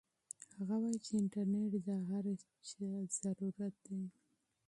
هغه وایي چې انټرنيټ د هر چا ضرورت دی.